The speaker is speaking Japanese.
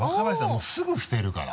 もうすぐ捨てるから。